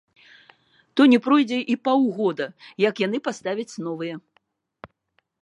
То не пройдзе і паўгода, як яны паставяць новыя.